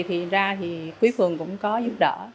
thì ra thì quỹ phường cũng có giúp đỡ